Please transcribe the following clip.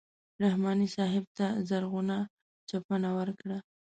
رحماني صاحب ته زرغونه چپنه ورکړه.